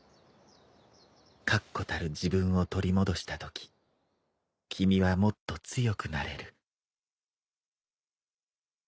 確固たる自分を取り戻したとき君はもっと強くなれる。